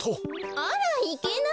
あらいけない？